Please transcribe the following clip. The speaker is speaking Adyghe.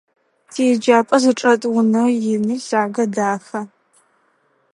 Тиеджапӏэ зычӏэт унэр ины, лъагэ, дахэ.